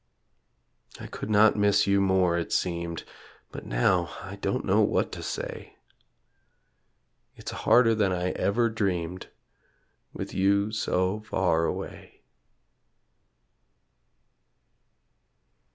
I could not miss you more it seemed, But now I don't know what to say. It's harder than I ever dreamed With you so far away.